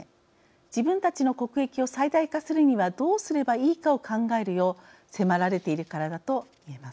自分たちの国益を最大化するにはどうすればいいかを考えるよう迫られているからだと言えます。